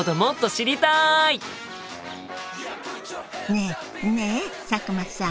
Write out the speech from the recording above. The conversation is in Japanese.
ねえねえ佐久間さん。